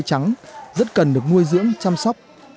trẻ trắng rất cần được nuôi dưỡng chăm sóc